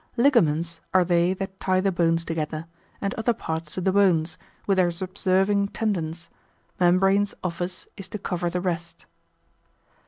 Ligaments are they that tie the bones together, and other parts to the bones, with their subserving tendons: membranes' office is to cover the rest.